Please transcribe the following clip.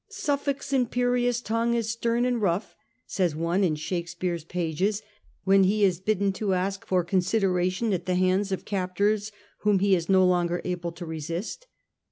' Suffolk's imperious tongue is stern and rough,' says one in Shakespeare's pages when he is bidden to ask for consideration at the hands of captors whom he is no longer able to resist.